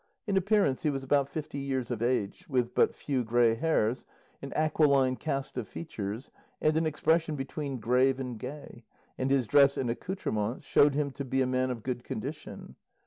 In appearance he was about fifty years of age, with but few grey hairs, an aquiline cast of features, and an expression between grave and gay; and his dress and accoutrements showed him to be a man of good condition.